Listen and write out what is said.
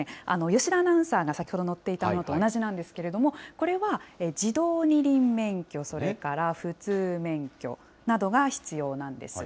吉田アナウンサーが先ほど乗っていたものと同じなんですけれども、これは自動二輪免許、それから普通免許などが必要なんです。